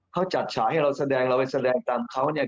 เขาจัดฉายให้เราแสดงเราไปแสดงตามเขาเนี่ย